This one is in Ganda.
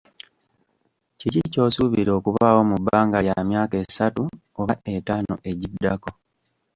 Kiki ky’osuubira okubaawo mu bbanga lya myaka esatu oba etaano egiddako?